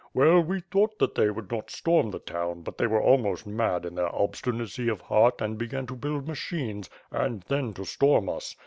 "Well, we thought they would not storm the town, but they were almost mad in their ob stinacy of heart, and began to build machines and then to storm us.